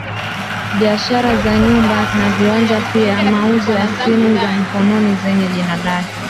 biashara za nyumba na viwanja pia mauzo ya simu za mkononi zenye jina lake